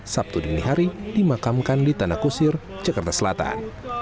sabtu dinihari dimakamkan di tanah kusir jakarta selatan